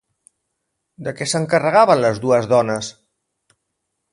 De què s'encarregaven les dues dones?